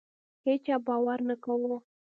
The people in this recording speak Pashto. هیچا باور نه کاوه.